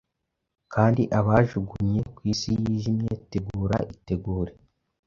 Kandi abajugunye ku isi yijimye! Tegura, itegure!